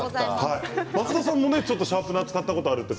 松田さんもシャープナーを使ったことがあると。